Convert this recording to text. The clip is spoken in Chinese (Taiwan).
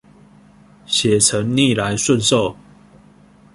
寫成逆來順受